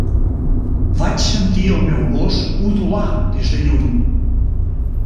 Vaig sentir el meu gos udolar des de lluny.